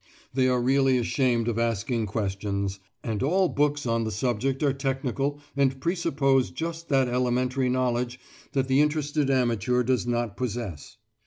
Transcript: They are really ashamed of asking questions; and all books on the subject are technical and presuppose just that elementary knowledge that the interested amateur does not possess.